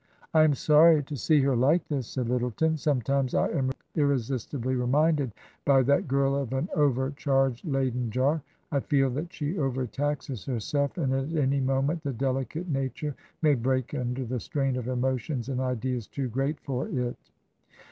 " I am sorry to see her like this," said Lyttleton ;" sometimes I am irresistibly reminded by that girl of an overcharged Leyden jar. I feel that she overtaxes herself, and at any moment the delicate nature may break under the strain of emotions and ideas too great for it."